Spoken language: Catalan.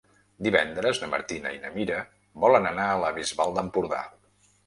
Divendres na Martina i na Mira volen anar a la Bisbal d'Empordà.